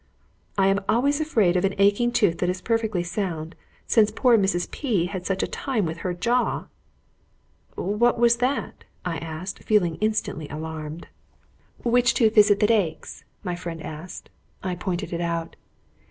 "I am always afraid of an aching tooth that is perfectly sound, since poor Mrs. P had such a time with her jaw." "What was that?" I asked, feeling instantly alarmed. "Which tooth is it that aches?" my friend asked. I pointed it out.